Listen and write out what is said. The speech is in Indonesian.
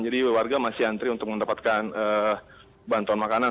jadi warga masih antri untuk mendapatkan bantuan makanan